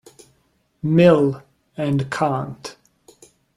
Mill, and Kant.